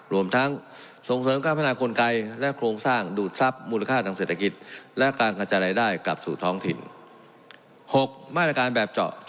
รวมทั้งส่งเสริมการพัฒนากลไกและโครงสร้างดูดทรัพย์มูลค่าทางเศรษฐกิจ